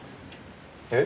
えっ？